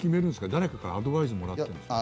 誰かからアドバイスもらってるんですか？